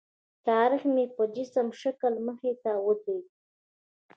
تاریخ مې په مجسم شکل مخې ته ودرېد.